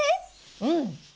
うん。